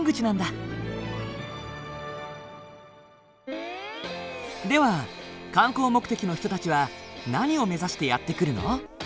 では観光目的の人たちは何を目指してやって来るの？